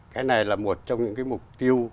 cái này là một trong những cái mục tiêu